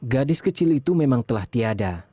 gadis kecil itu memang telah tiada